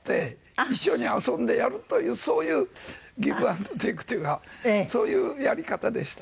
一緒に遊んでやるというそういうギブアンドテイクっていうかそういうやり方でした。